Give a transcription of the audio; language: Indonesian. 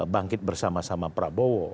bangkit bersama sama prabowo